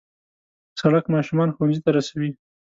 سړک ماشومان ښوونځي ته رسوي.